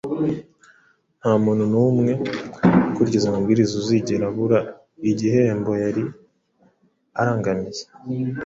nta muntu n’umwe ukurikiza amabwiriza uzigera abura igihembo yari arangamiye.